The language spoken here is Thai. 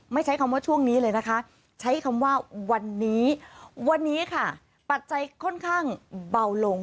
ใช้คำว่าช่วงนี้เลยนะคะใช้คำว่าวันนี้วันนี้ค่ะปัจจัยค่อนข้างเบาลง